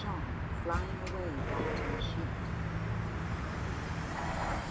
John, flying away wrapped in a sheet.